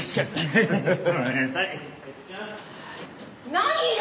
何よ！？